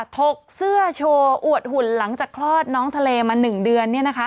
กเสื้อโชว์อวดหุ่นหลังจากคลอดน้องทะเลมา๑เดือน